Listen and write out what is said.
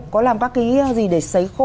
có làm các cái gì để sấy khô